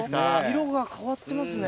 色が変わってますね。